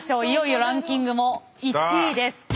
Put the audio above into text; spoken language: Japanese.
いよいよランキングも１位です。